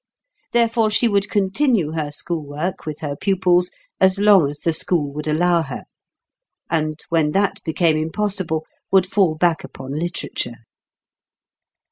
Therefore she would continue her schoolwork with her pupils as long as the school would allow her; and when that became impossible, would fall back upon literature.